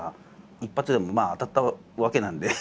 一発でもまあ当たったわけなんで。